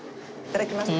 いただきます。